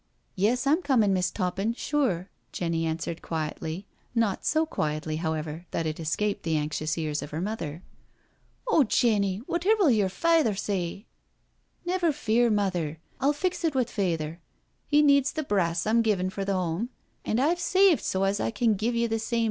" Yes, I'm comin'. Miss* Toppin— sure," Jenny an swered quietly, not so quietly, however, that it escaped the anxious ears of her mother. "Oh Jenny, wotever'U yer fayther say?" " Never fear, Mother; I'll fix it with Fayther. He needs the brass I'm givin' for th* home, an* I've saved so as I can give ye the same.